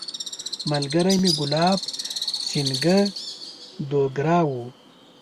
ملګری مې ګلاب سینګهه دوګرا وو.